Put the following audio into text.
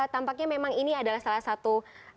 tampaknya memang ini adalah salah satu